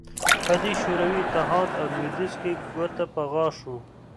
په شوروي اتحاد او لوېدیځ کې ګوته په غاښ وو